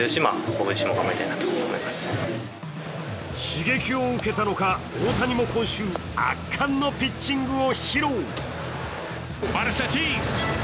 刺激を受けたのか大谷も今週、圧巻のピッチングを披露。